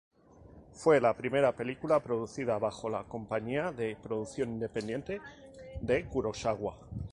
Fue la primera película producida bajo la compañía de producción independiente de Kurosawa.